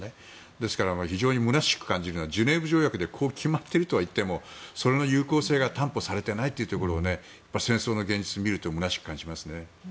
ですから非常にむなしく感じるのはジュネーブ条約で決まっているとはいってもその有効性が担保されていないところ戦争の現実を見るとむなしく感じますね。